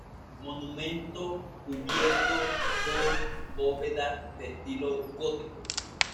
Monumento cubierto con bóvedas de estilo gótico.